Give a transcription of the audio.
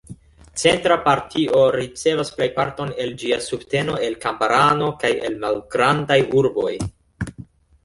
Centra partio ricevas plejparton el ĝia subteno el kamparano kaj el malgrandaj urboj.